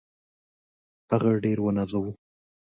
هغه ډېر ونازاوه.